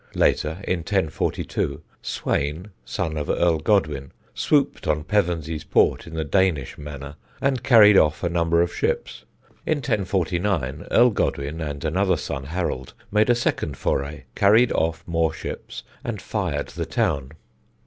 Later, in 1042, Swane, son of Earl Godwin, swooped on Pevensey's port in the Danish manner and carried off a number of ships. In 1049 Earl Godwin, and another son, Harold, made a second foray, carried off more ships, and fired the town.